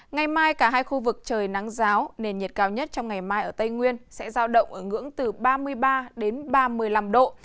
ngày mai cả hai khu vực trời nắng giáo nền nhiệt cao nhất trong ngày mai ở tây nguyên sẽ giao động ở ngưỡng từ ba mươi ba đến ba mươi năm độ